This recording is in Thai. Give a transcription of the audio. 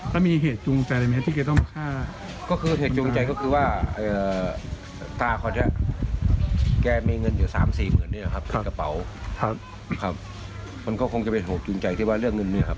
เพื่อนกลางนี้นะครับคาดกระเป๋าครับคนก็คงจะไปโหงจูนใจที่ว่าเรื่องนึงนะครับ